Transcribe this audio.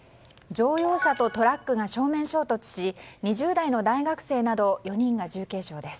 乗用車とトラックが正面衝突し２０代の大学生など４人が重軽傷です。